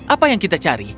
apa yang kita cari